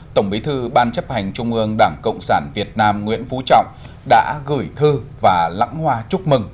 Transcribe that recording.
tổng bí thư ban chấp hành trung ương đảng cộng sản việt nam nguyễn phú trọng đã gửi thư và lãng hoa chúc mừng